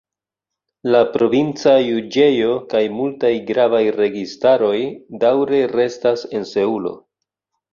La provinca juĝejo kaj multaj gravaj registaroj daŭre restas en Seulo.